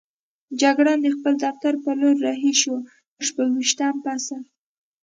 جګړن د خپل دفتر په لور رهي شو، شپږویشتم فصل.